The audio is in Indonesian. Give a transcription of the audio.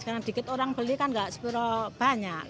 sekarang dikit orang beli kan gak sepuluh banyak